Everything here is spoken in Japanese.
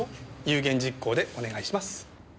有言実行でお願いします。